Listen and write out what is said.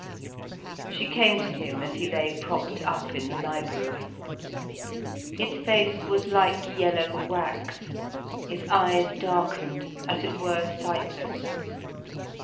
She came to him as he lay propped up in the library. His face was like yellow wax, his eyes darkened, as it were sightless.